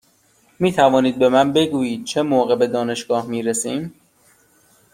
می توانید به من بگویید چه موقع به دانشگاه می رسیم؟